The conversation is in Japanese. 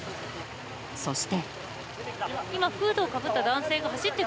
そして。